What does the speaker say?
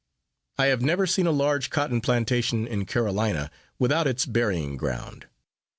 I have never seen a large cotton plantation, in Carolina, without its burying ground.